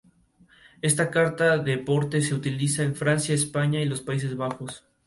Esta carta de porte se utiliza en Francia, España y los Países Bajos.